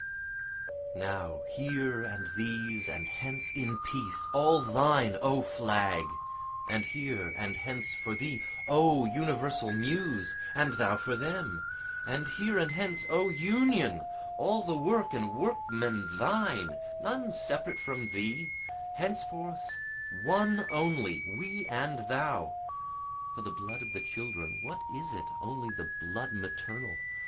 Now here and these and hence in peace, all thine O Flag! And here and hence for thee, O universal Muse! and thou for them! And here and hence O Union, all the work and workmen thine! None separate from thee henceforth One only, we and thou, (For the blood of the children, what is it, only the blood maternal?